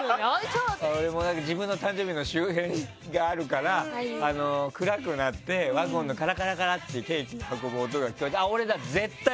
俺も自分の誕生日の周辺があるから暗くなってワゴンのカラカラカラってケーキを運ぶ音が聞こえたら。